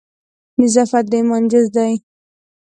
نظافت د ایمان جزء دی.